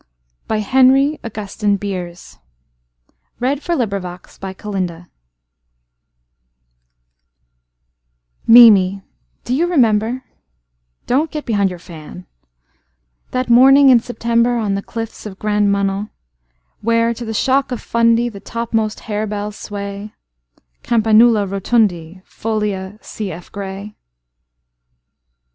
By Henry AugustinBeers 986 Biftek Aux Champignons MIMI, do you remember—Don't get behind your fan—That morning in SeptemberOn the cliffs of Grand Manan, Where to the shock of FundyThe topmost harebells sway(Campanula rotundi folia: cf. Gray)?